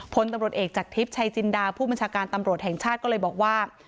พลตำรวจเอกจากทิพย์ชัยจินดาผู้บัญชาการตำรวจแห่งชาติก็เลยบอกว่า